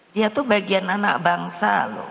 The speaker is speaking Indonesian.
dia tuh bagian anak bangsa loh